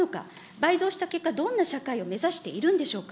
倍増した結果、どんな社会を目指しているんでしょうか。